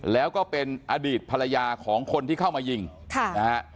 แล้วก็เป็นอดีตภรรยาของคนที่เข้ามายิงค่ะนะฮะ